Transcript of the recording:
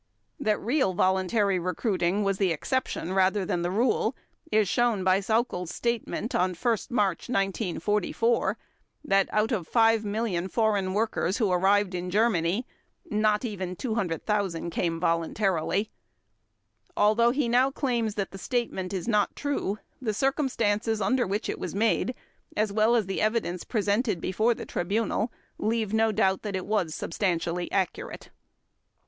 That real voluntary recruiting was the exception rather than the rule is shown by Sauckel's statement on 1 March 1944, that "out of five million foreign workers who arrived in Germany not even 200,000 came voluntarily". Although he now claims that the statement is not true, the circumstances under which it was made, as well as the evidence presented before the Tribunal, leave no doubt that it was substantially accurate.